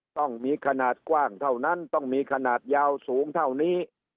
ต้องมีขนาดกว้างเท่านั้นต้องมีขนาดยาวสูงเท่านี้